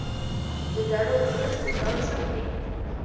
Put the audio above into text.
د زړو ونو پرې کول سخت دي؟